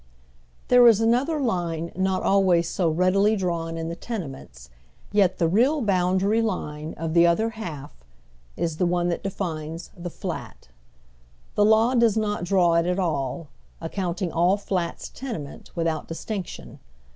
THERE is another line not always so readily drawn in the tenements, yet the real boundary line of tiie Other Half : the one that defines the " flat." The law does not draw it at all, accounting all flats tenements without dis tinction.